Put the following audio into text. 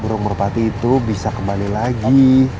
burung merpati itu bisa kembali lagi